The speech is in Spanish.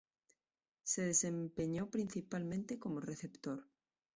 Se desempeñó principalmente como receptor.